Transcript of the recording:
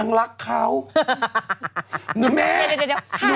คุณหมอโดนกระช่าคุณหมอโดนกระช่า